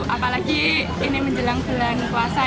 apalagi ini menjelang gelang kuasa